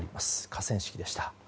河川敷でした。